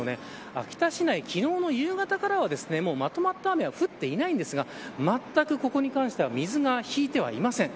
秋田市内、昨日の夕方からはまとまった雨は降っていないんですがまったくここに関しては水が引いていません。